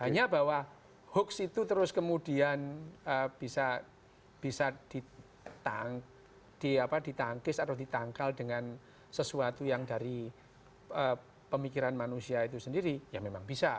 hanya bahwa hoax itu terus kemudian bisa ditangkis atau ditangkal dengan sesuatu yang dari pemikiran manusia itu sendiri ya memang bisa